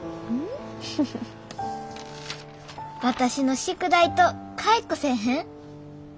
私の宿題と換えっこせえへん？